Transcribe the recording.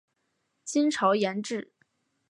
金朝沿置。